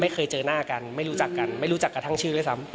ไม่เคยเจอหน้ากันไม่รู้จักกันไม่รู้จักกระทั่งชื่อด้วยซ้ำ